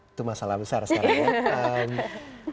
itu masalah besar sekarang ya